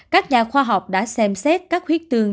các nhà khoa học đã xem xét các huyết tương